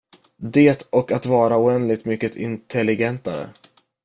Det och att vara oändligt mycket intelligentare.